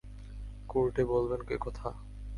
কোর্টে বলবেন একথা?